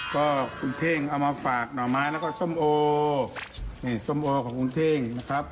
ก็ถึงเอามาฝากหน่อไหมแล้วก็ส้มโอนี่สมโอกครับ